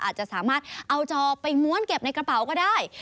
อาจจะสามารถเอาจอไปม้วนเก็บในกระเป๋าก็ได้